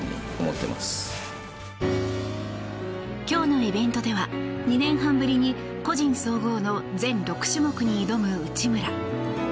今日のイベントでは２年半ぶりに個人総合の全６種目に挑む内村。